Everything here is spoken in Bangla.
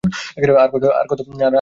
আর কত করবে আমার জন্য?